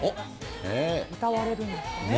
歌われるんですかね。